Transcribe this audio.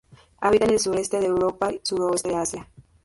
Habita en el sureste de Europa y suroeste de Asia.